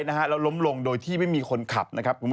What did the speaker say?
แล้วล้มลงโดยที่ไม่มีคนขับนะครับ